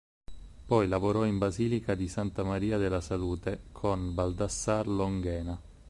Poi lavorò in Basilica di Santa Maria della Salute con Baldassare Longhena.